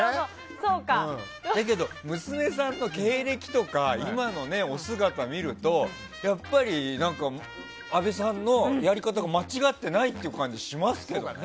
だけど娘さんの経歴とか今のお姿を見るとやっぱり阿部さんのやり方が間違ってないという感じがしますけどね。